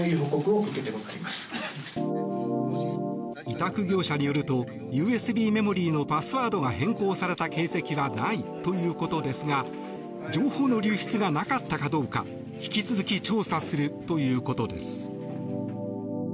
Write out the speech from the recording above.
委託業者によるとＵＳＢメモリーのパスワードが変更された形跡はないということですが情報の流出がなかったかどうか引き続き調査するということです。